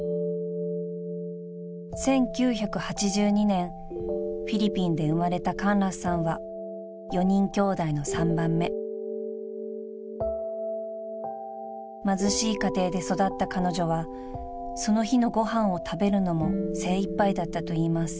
［１９８２年フィリピンで生まれたカンラスさんは４人きょうだいの３番目］［貧しい家庭で育った彼女はその日のご飯を食べるのも精いっぱいだったといいます］